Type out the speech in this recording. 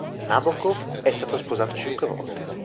Nabokov è stato sposato cinque volte.